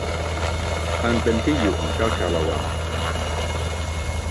อันเป็นที่อยู่ของเจ้าชาละวัน